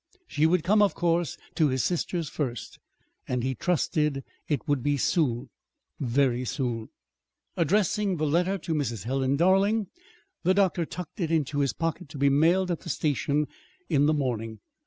She would come, of course, to his sister's first; and he trusted it would be soon very soon. Addressing the letter to Mrs. Helen Darling, the doctor tucked it into his pocket to be mailed at the station in the morning.